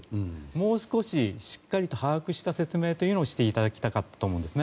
もう少し、しっかりと把握した説明というのをしていただきたかったと思います。